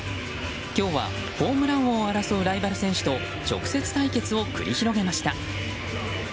今日はホームラン王を争うライバル選手と直接対決を繰り広げました。